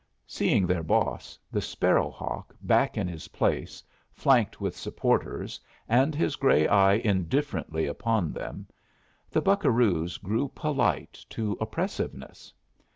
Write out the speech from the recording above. Seeing their boss, the sparrow hawk, back in his place, flanked with supporters, and his gray eye indifferently upon them, the buccaroos grew polite to oppressiveness.